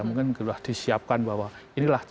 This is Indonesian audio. mungkin sudah disiapkan bahwa inilah